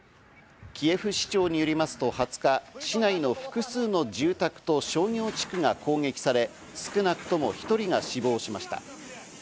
キエフ市長によりますと２０日、市内の複数の住宅と商業地区が攻撃され、少なくとも１人が死亡しました。